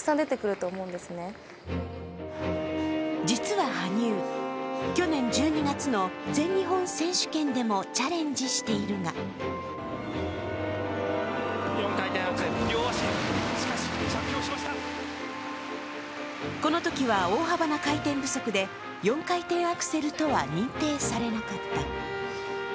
実は羽生、去年１２月の全日本選手権でもチャレンジしているがこのときは大幅な回転不足で４回転アクセルとは認定されなかった。